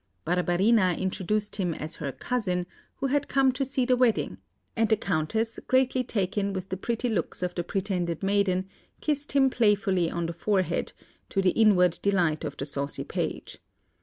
Barbarina introduced him as her cousin, who had come to see the wedding; and the Countess, greatly taken with the pretty looks of the pretended maiden, kissed him playfully on the forehead, to the inward delight of the saucy page.